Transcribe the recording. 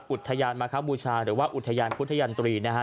อุทยานมาคบูชาหรือว่าอุทยานพุทธยันตรีนะฮะ